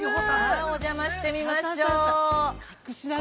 ◆お邪魔してみましょう。